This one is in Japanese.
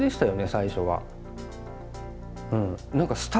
最初は。